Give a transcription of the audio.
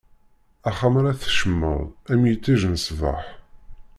Axxam ara tkecmeḍ, am yiṭij n ṣṣbeḥ.